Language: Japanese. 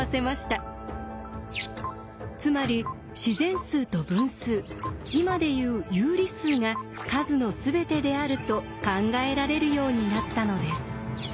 つまり自然数と分数今で言う有理数が数のすべてであると考えられるようになったのです。